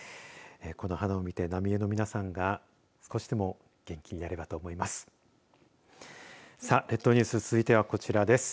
この花を見て浪江の皆さんが少しでも元気になればと思います。